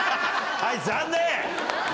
はい残念！